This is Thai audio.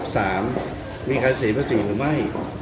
สามมีใครเสียภาษีหรือไม่